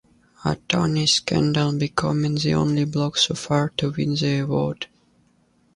Attorneys scandal, becoming the only blog so far to win the award.